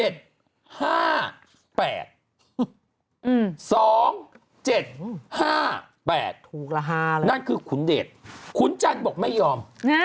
๒๗๕๘ถูกละ๕นั่นคือขุนเดชขุนจันทร์บอกไม่ยอม